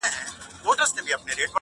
• ته ډېوه را واخله ماتې هم راکه,